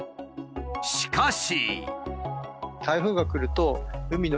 しかし。